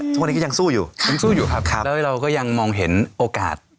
ทุกวันนี้ก็ยังสู้อยู่ยังสู้อยู่ครับแล้วเราก็ยังมองเห็นโอกาส